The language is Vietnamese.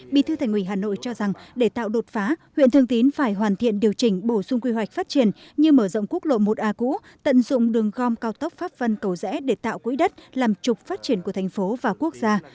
bí thư thành ủy hà nội cho rằng để tạo đột phá huyện thường tín phải hoàn thiện điều chỉnh bổ sung quy hoạch phát triển như mở rộng quốc lộ một a cũ tận dụng đường gom cao tốc pháp vân cầu rẽ để tạo quỹ đất làm trục phát triển của thành phố và quốc gia